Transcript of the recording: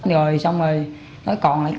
rồi xong rồi nói còn lại